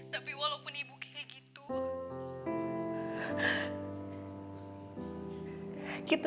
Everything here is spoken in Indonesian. tapi walaupun ibu kayak gitu